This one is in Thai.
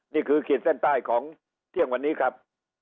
นี่คือเขตเส้นใต้ของเที่ยงวันนี้ครับ